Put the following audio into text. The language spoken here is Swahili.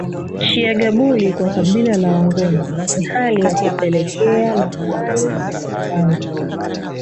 Chiyagabuli kwa kabila la wangoni ni hali ya kupeleka mahali ya kwanza